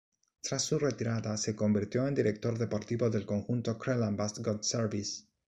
Tras su retirada se convirtió en director deportivo del conjunto Crelan-Vastgoedservice.